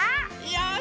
よし。